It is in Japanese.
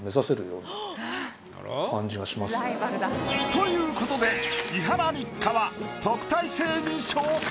という事で伊原六花は特待生に昇格。